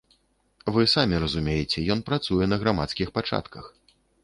Вы самі разумееце, ён працуе на грамадскіх пачатках.